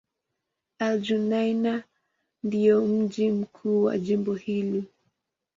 Al-Junaynah ndio mji mkuu wa jimbo hili.